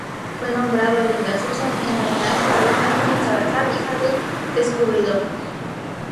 Fue nombrado Linda Susan en homenaje a "Linda Susan Salazar" hija del descubridor.